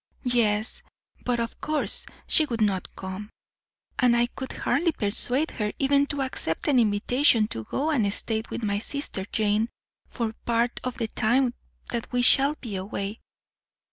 "Yes; but, of course, she would not come, and I could hardly persuade her even to accept an invitation to go and stay with my sister Jane for part of the time that we shall be away.